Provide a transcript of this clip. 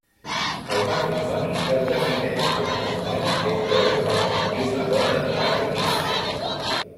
El matrimoni es defineix com una unió entre un home i una dona a Tunísia.